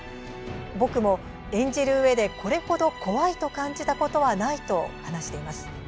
僕も、演じるうえでこれ程「怖い」と感じたことはないと話しています。